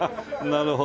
なるほど。